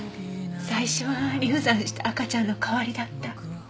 最初は流産した赤ちゃんの代わりだった。